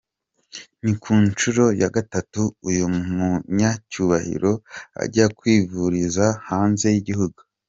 Ni kunshuro ya gatatu uyu munyacyubahiro ajya kwivuriza hanze y’Igihugu.